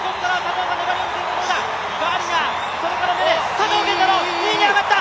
佐藤拳太郎、２位に上がった！